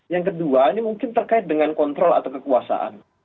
yang kedua ini mungkin terkait dengan kontrol atau kekuasaan